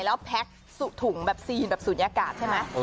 แล้วแพ็คถุงแบบซีนแบบศูนยากาศใช่ไหม